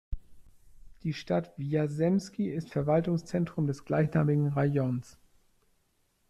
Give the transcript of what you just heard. Die Stadt Wjasemski ist Verwaltungszentrum des gleichnamigen Rajons.